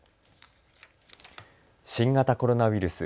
新型コロナウイルス。